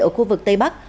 ở khu vực tây bắc